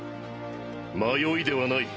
迷いではない。